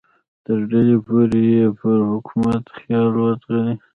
تر ډهلي پورې یې پر حکومت خیال وځغلي.